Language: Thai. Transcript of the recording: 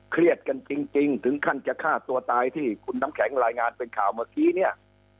เครียดกันจริงถึงขั้นจะฆ่าตัวตายที่คุณน้ำแข็งรายงานเป็นข่าวเมื่อกี้เนี่ย